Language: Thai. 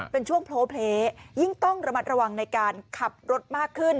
เป็นช่วงโพลเพลยิ่งต้องระมัดระวังในการขับรถมากขึ้น